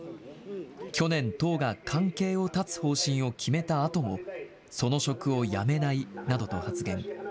去年、党が関係を断つ方針を決めたあとも、その職を辞めないなどと発言。